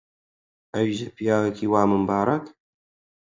ئەویش لە پیاوێکی وا ممبارەک؟!